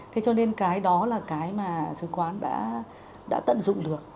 thế cho nên cái đó là cái mà sứ quán đã tận dụng được